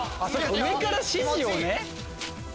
上から指示をね。